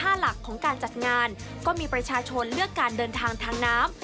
หลักของการจัดงานก็มีประชาชนเลือกการเดินทางทางน้ำ